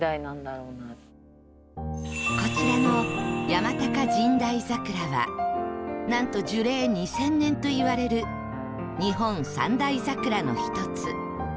こちらの山高神代桜はなんと樹齢２０００年といわれる日本三大桜の１つ